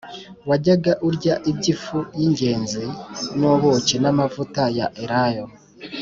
Wajyaga urya iby’ifu y’ingezi n’ubuki n’amavuta ya elayo